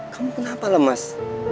kamu kenapa lemes